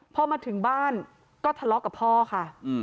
พอมาถึงบ้านก็ทะเลาะกับพ่อค่ะ